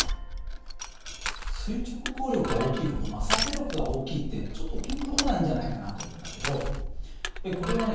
垂直抗力が大きいほど摩擦力が大きいってちょっとピンと来ないんじゃないかなと思うんだけどこれはね